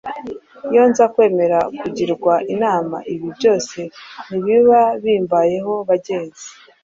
Iyo nza kwemera kugirwa inama ibi byose ntibiba bimbayeho bagenzi!